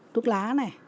thuốc lá này